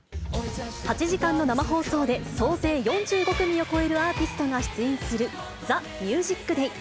８時間の生放送で総勢４５組を超えるアーティストが出演する、ＴＨＥＭＵＳＩＣＤＡＹ。